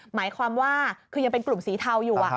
หมายความว่าคือยังเป็นกลุ่มสีเทาอยู่